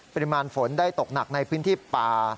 ปริมาณฝนได้ตกหนักในพื้นที่ป่า